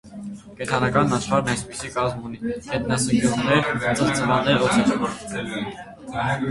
Կենդանական աշխարհն այսպիսի կազմ ունի՝ գետնասկյուռներ, ծվծվաններ, օձեր։